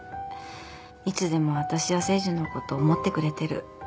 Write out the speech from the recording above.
いつでもわたしや誠治のこと思ってくれてる。